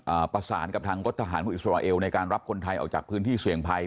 ประสานกับทางรถทหารของอิสราเอลในการรับคนไทยออกจากพื้นที่เสี่ยงภัย